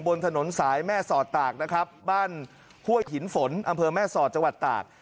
บนถนนสายแม่สอดตากนะครับบ้านห้วยหินฝนอำเภอแม่สอดจังหวัดตาก